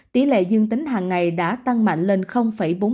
tỷ lệ dương tính hàng ngày đã tăng mạnh lên bốn mươi